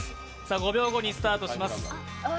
５秒後にスタートします。